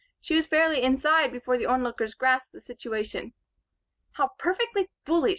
She was fairly inside before the onlookers grasped the situation. "How perfectly foolish!"